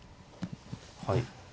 はい。